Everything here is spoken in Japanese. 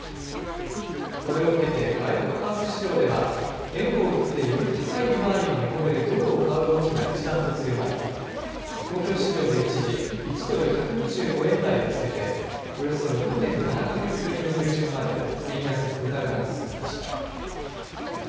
これを受けて外国為替市場では、円を売って、より高い利回りが見込めるドルを買う動きが一段と強まり、東京市場で一時１ドル１２５円台をつけて、およそ６年７か月ぶりの水準まで円安ドル高が進みました。